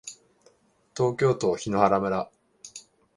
東京都檜原村